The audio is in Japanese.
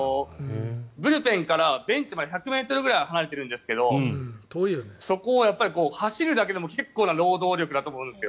ブルペンからベンチまで１００ｍぐらい離れてるんですけどそこを走るだけでも結構な労働力だと思うんです。